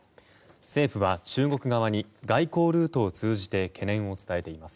政府は中国側に外交ルートを通じて懸念を伝えています。